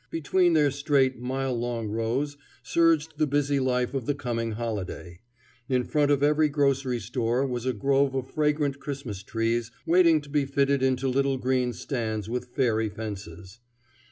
Between their straight mile long rows surged the busy life of the coming holiday. In front of every grocery store was a grove of fragrant Christmas trees waiting to be fitted into little green stands with fairy fences.